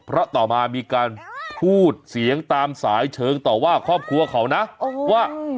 เพราะต่อมามีการพูดเสียงตามสายเชิงต่อว่าครอบครัวเขานะว่า